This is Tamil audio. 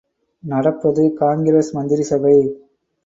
நடப்பது காங்கிரஸ் மந்திரிசபை.